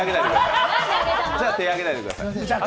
じゃあ手を挙げないでください。